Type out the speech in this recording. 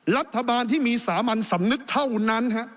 รัฐบาลที่มีสามัญสำนึกเท่านั้น